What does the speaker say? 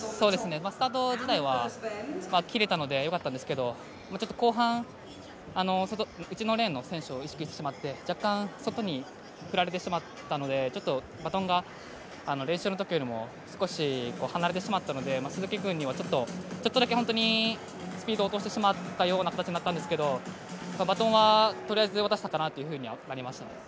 スタート自体は切れたのでよかったんですけど、後半、内のレーンの選手を意識してしまって若干外に振られてしまったので、ちょっとバトンが練習のときよりも少し離れてしまったので鈴木君にはちょっとだけ、本当にスピード落としてしまったような形になったんですけどバトンはとりあえず渡せたかなという感じになりましたね。